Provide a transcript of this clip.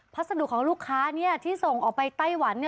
พัสดุของลูกค้าที่ส่งออกไปไต้หวัน